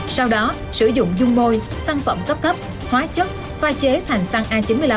sau đó sử dụng dung môi xăng phẩm cấp cấp hóa chất pha chế thành xăng a chín mươi năm